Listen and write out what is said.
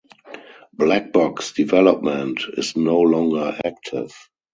Blackbox development is no longer active.